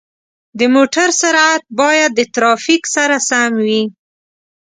د موټر سرعت باید د ترافیک سره سم وي.